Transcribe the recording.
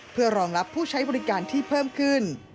เพื่อรองรับผู้ใช้บริการที่เพิ่มขึ้น